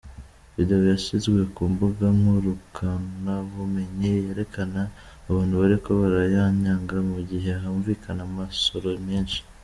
Video yashizwe ku mbuga ngurukanabumenyi yerekana abantu bariko barayanyaga mu gihe humvukana amasoro menshi.